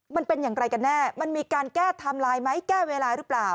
มันเป็นอย่างไรกันแน่มันมีการแก้เวลาหรือเปล่า